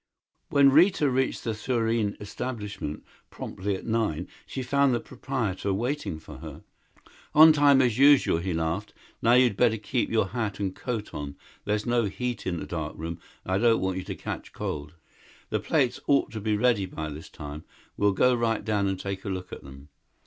When Rita reached the Thurene establishment, promptly at nine, she found the proprietor waiting for her. "On time, as usual," he laughed. "Now you'd better keep your hat and coat on. There's no heat in the dark room and I don't want you to catch cold. The plates ought to be ready by this time. We'll go right down and take a look at them."